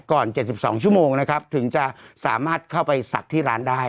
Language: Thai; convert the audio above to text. ๗๒ชั่วโมงนะครับถึงจะสามารถเข้าไปศักดิ์ที่ร้านได้